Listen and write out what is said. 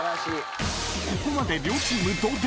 ［ここまで両チーム同点］